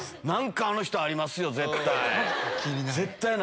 何かあの人ありますよ絶対。